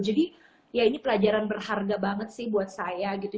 jadi ya ini pelajaran berharga banget sih buat saya gitu